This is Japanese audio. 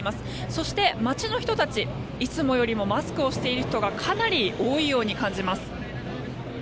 そして、街の人たちいつもよりマスクをしている人がかなり多いように感じます。